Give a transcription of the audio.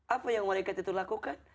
apa yang malaikat itu lakukan